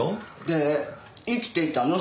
で生きていたの？